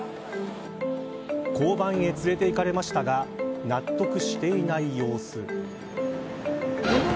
交番へ連れて行かれましたが納得していない様子。